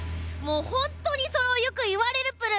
本当にそれをよく言われるプル。